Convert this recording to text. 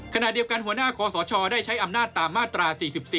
ขณะเดียวกันหัวหน้าขอสรชได้ใช้อำนาจตามมาตรา๔๔